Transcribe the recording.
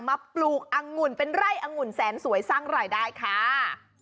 ปลูกอังุ่นเป็นไร่อังุ่นแสนสวยสร้างรายได้ค่ะ